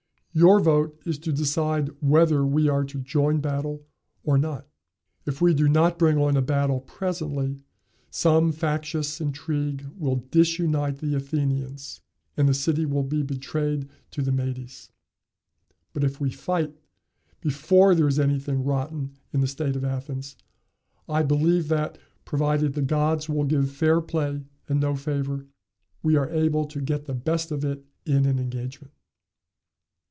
Your vote is to decide whether we are to join battle or not. If we do not bring on a battle presently, some factious intrigue will disunite the Athenians, and the city will be betrayed to the Medes. But if we fight, before there is anything rotten in the state of Athens, I believe that, provided the gods will give fair play and no favor, we are able to get the best of it in an engagement."